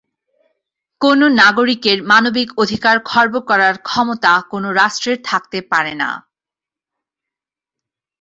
কোনো নাগরিকের মানবিক অধিকার খর্ব করার ক্ষমতাঁ কোনো রাষ্ট্রের থাকতে পারে না।